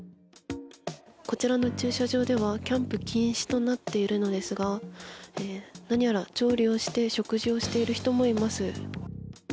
こちらの駐車場ではキャンプ禁止となっているのですが何やら調理をして食事をしている人もいます。